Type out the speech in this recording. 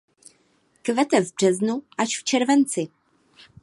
Kvete v březnu až v červenci.